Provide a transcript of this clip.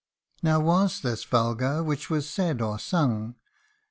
Now was this vulgar, which was < said or sung